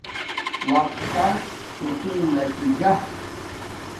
وقت تس سلول لشو جا